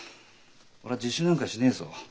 俺自首なんかしねえぞ。